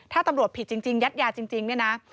ถ้าตำรวจผิดจริงยัดยาจริงเนี่ยนะ